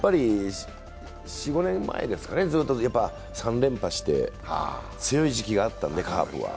４５年前ですかね、３連覇していた強い時期があったので、カープは。